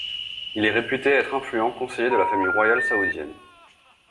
Il est réputé être un influent conseiller de la famille royale saoudienne.